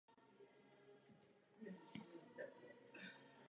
Potřebuje polostín a nevadí jí mrazy.